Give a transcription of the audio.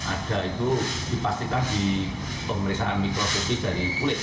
yang ada itu dipastikan di pemeriksaan mikrofisi dari kulit